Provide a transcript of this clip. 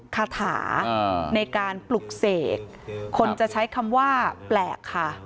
คาถาในการปลุกเสกคนจะใช้คำว่าแปลกค่ะ